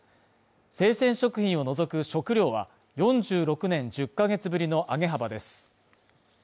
生鮮食品を除く食料は４６年１０ヶ月ぶりの上げ幅です。